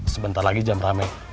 sebentar lagi jam rame